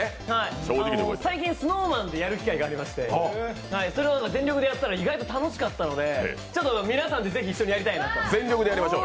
最近、ＳｎｏｗＭａｎでやる機会がありまして、全力でやったら意外と楽しかったので皆さんでぜひ一緒にやりたいなと。